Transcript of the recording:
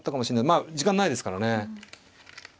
まあ時間ないですからね。